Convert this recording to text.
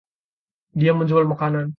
Dia menjual makanan.